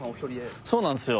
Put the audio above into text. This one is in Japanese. そうなんですよ。